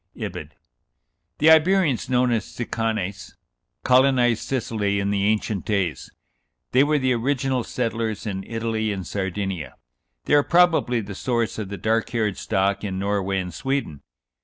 (Ibid.) The Iberians, known as Sicanes, colonized Sicily in the ancient days. They were the original settlers in Italy and Sardinia. They are probably the source of the dark haired stock in Norway and Sweden.